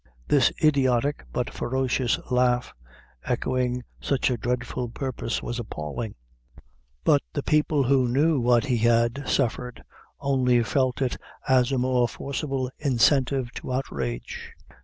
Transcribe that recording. This idiotic, but ferocious laugh, echoing such a dreadful purpose, was appalling; but the people who knew what he had suffered, only felt it as a more forcible incentive to outrage.